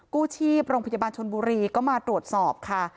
กู้ชีพโรงพยาบาลชนบุรีก็มาตรวจสอบค่ะ